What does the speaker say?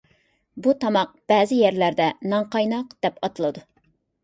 بۇ تاماق بەزى يەرلەردە «نانقايناق» دەپ ئاتىلىدۇ.